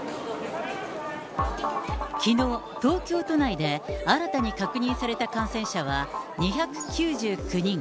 きのう、東京都内で新たに確認された感染者は２９９人。